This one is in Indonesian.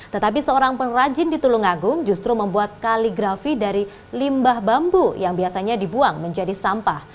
tetapi seorang pengrajin di tulungagung justru membuat kaligrafi dari limbah bambu yang biasanya dibuang menjadi sampah